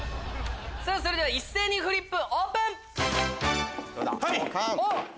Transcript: それでは一斉にフリップオープン！